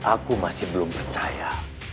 aku masih belum percaya